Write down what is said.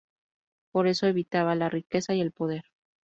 Por eso evitaban la riqueza y el poder.